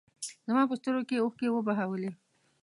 زما په سترګو کې اوښکې وبهولې.